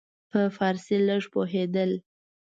په فارسي لږ پوهېدل.